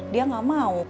dia gak mau